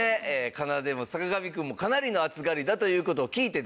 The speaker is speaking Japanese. かなでも坂上くんもかなりの暑がりだという事を聞いてですね